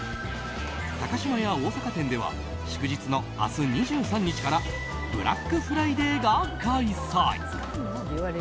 高島屋大阪店では祝日の明日２３日からブラックフライデーが開催。